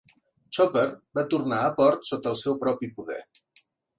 "Chopper" va tornar a port sota el seu propi poder.